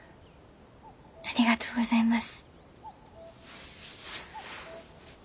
ありがとうございます。